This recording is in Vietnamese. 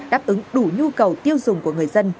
đáp ứng đủ nhu cầu tiêu dùng của người dân